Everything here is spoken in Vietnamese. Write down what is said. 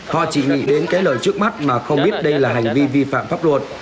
họ chỉ nghĩ đến cái lời trước mắt mà không biết đây là hành vi vi phạm pháp luật